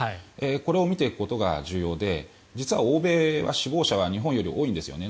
これを見ていくことが重要で実は欧米は死亡者は日本より多いんですよね。